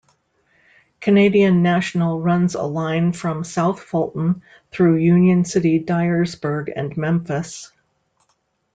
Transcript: Canadian National runs a line from South Fulton, through Union City, Dyersburg and Memphis.